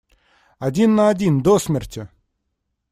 Один на один, до смерти!